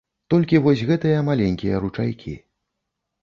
Толькі вось гэтыя маленькія ручайкі.